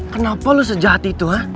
kenapa lu sejati tuh